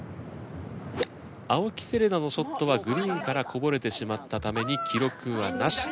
青木瀬令奈のショットはグリーンからこぼれてしまったために記録はなし。